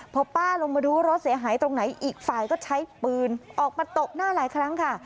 พอป้าลงมาดูรถเสียหายตรงไหนอีกฝ่ายก็ใช้ปืนออกมาตบหน้าหลายครั้งค่ะ